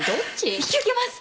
引き受けます！